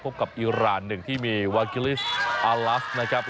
กับอิราณหนึ่งที่มีวากิลิสอาลัสนะครับ